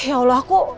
ya allah aku